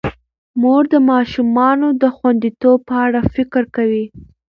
مور د ماشومانو د خوندیتوب په اړه فکر کوي.